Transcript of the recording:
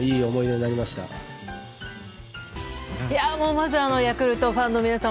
まずヤクルトファンの皆さん